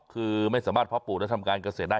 คือไม่สามารถเพาะปลูกและทำการเกษตรได้